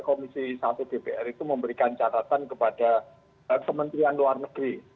komisi satu dpr itu memberikan catatan kepada kementerian luar negeri